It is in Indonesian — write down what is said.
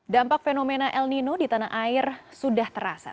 dampak fenomena el nino di tanah air sudah terasa